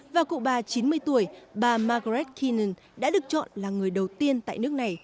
và cụ bà chín mươi tuổi bà margaret thinen đã được chọn là người đầu tiên tại nước này